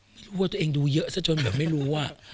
รู้ว่าตัวเองดูเยอะซะจนแบบไม่รู้